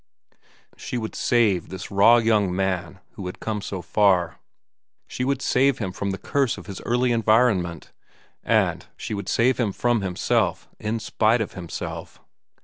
She would save this raw young man who had come so far. She would save him from the curse of his early environment, and she would save him from himself in spite of himself.